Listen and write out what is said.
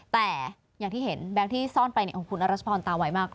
แต่อย่างที่เห็นแบงค์ที่ซ่อนไปของคุณอรัชพรตาไวมาก